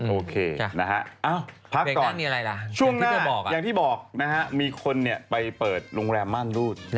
โอเคนะฮะพักก่อนช่วงที่เธอบอกอย่างที่บอกนะฮะมีคนไปเปิดโรงแรมม่านรูด